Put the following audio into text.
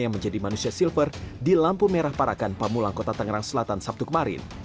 yang menjadi manusia silver di lampu merah parakan pamulang kota tangerang selatan sabtu kemarin